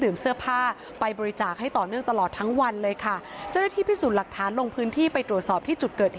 เราก็เลยต้องไปยก